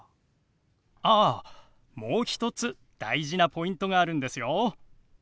あっもう一つ大事なポイントがあるんですよ。